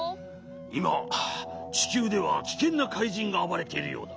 いまちきゅうではきけんなかいじんがあばれているようだ。